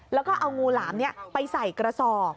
แล้วก็เอางูหลามไปใส่กระสอบ